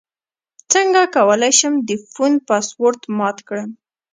څنګه کولی شم د فون پاسورډ مات کړم